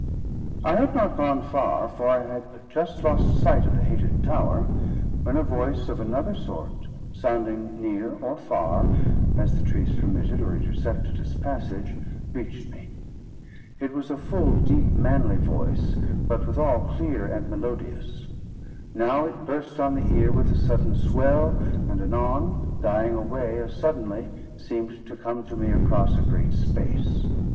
I had not gone far, for I had but just lost sight of the hated tower, when a voice of another sort, sounding near or far, as the trees permitted or intercepted its passage, reached me. It was a full, deep, manly voice, but withal clear and melodious. Now it burst on the ear with a sudden swell, and anon, dying away as suddenly, seemed to come to me across a great space.